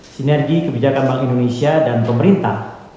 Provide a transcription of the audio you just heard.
sinergi kebijakan bank indonesia dan pemerintah